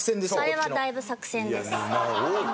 あれはだいぶ作戦です。